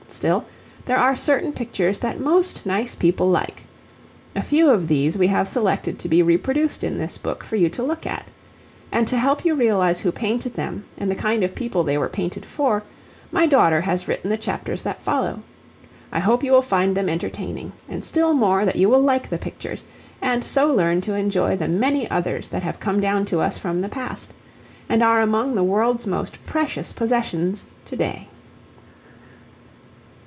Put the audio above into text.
Still there are certain pictures that most nice people like. A few of these we have selected to be reproduced in this book for you to look at. And to help you realize who painted them and the kind of people they were painted for, my daughter has written the chapters that follow. I hope you will find them entertaining, and still more that you will like the pictures, and so learn to enjoy the many others that have come down to us from the past, and are among the world's most precious possessions to day.